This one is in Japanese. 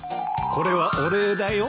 これはお礼だよ。